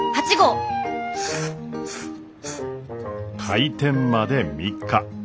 開店まで３日。